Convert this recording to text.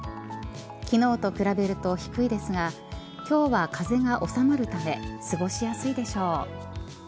昨日と比べると低いですが今日は風が収まるため過ごしやすいでしょう。